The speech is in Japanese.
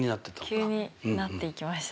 急になっていきました。